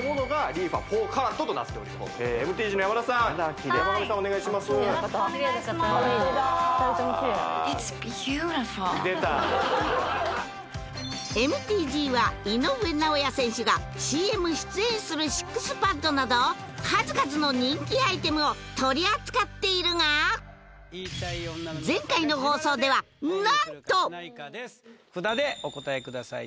二人ともキレイ出たＭＴＧは井上尚弥選手がＣＭ出演するＳＩＸＰＡＤなど数々の人気アイテムを取り扱っているが前回の放送では何と札でお答えください